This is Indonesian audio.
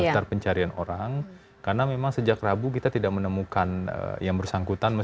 daftar pencarian orang karena memang sejak rabu kita tidak menemukan yang bersangkutan